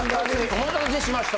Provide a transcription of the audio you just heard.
お待たせしました。